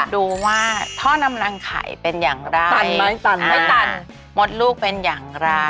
ดูว่าท่อนำรังไข่เป็นอย่างไรตันไม่ตันไม่ตันมดลูกเป็นอย่างไร